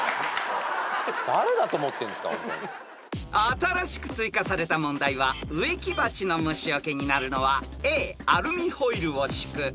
［新しく追加された問題は植木鉢の虫よけになるのはＡアルミホイルを敷く。